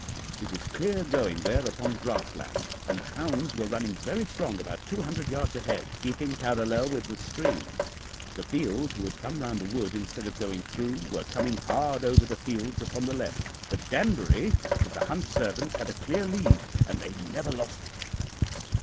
It is clear going there upon grassland, and the hounds were running very strong about two hundred yards ahead, keeping parallel with the stream. The field, who had come round the wood instead of going through, were coming hard over the fields upon the left; but Danbury, with the hunt servants, had a clear lead, and they never lost it.